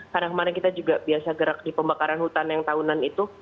karena kemarin kita juga biasa gerak di pembakaran hutan yang tahunan itu